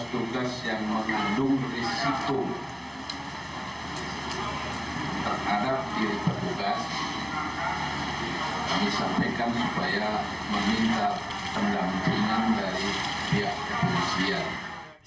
tugas yang mengandung risiko terhadap diri petugas disampaikan supaya meminta pendampingan dari pihak kepolisian